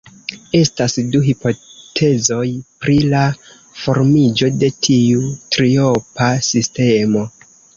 Estas du hipotezoj pri la formiĝo de tiu triopa sistemo.